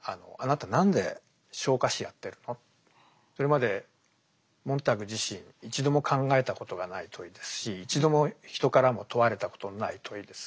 それまでモンターグ自身一度も考えたことがない問いですし一度も人からも問われたことのない問いです。